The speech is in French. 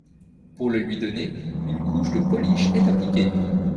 Pour le lui donner, une couche de polish est appliquée.